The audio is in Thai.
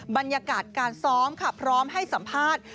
บรรยากาศการซ้อมค่ะพร้อมให้สัมภาษณ์